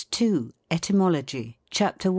ETYMOLOGY. CHAPTER I.